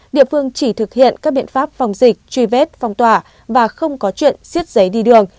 địa phương chỉ thực hiện các biện pháp phòng dịch truy vết phong tỏa và không có chuyện xiết giấy đi đường